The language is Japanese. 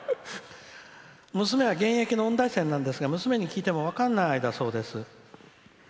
娘は現役の音大生なんですが娘に聞いても分かんないだそうです。